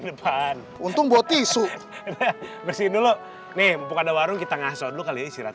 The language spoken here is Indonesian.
depan untuk bau tisu bersih dulu nih kita ngasut